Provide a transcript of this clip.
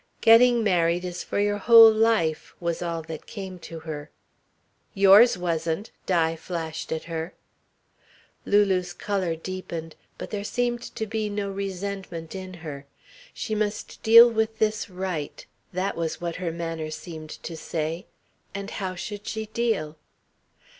"Getting married is for your whole life," was all that came to her. "Yours wasn't," Di flashed at her. Lulu's colour deepened, but there seemed to be no resentment in her. She must deal with this right that was what her manner seemed to say. And how should she deal?